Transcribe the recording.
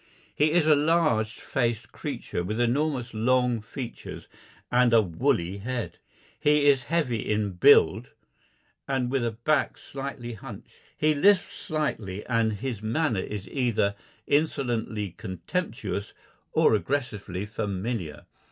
He is a large faced creature with enormous long features and a woolly head; he is heavy in build and with a back slightly hunched; he lisps slightly and his manner is either insolently contemptuous or aggressively familiar.